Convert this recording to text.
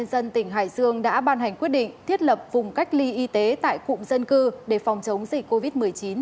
ngày một mươi bảy tám ubnd tỉnh hải dương đã ban hành quyết định thiết lập vùng cách ly y tế tại cụm dân cư để phòng chống dịch covid một mươi chín